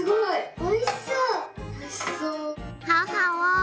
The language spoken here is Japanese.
おいしそう」。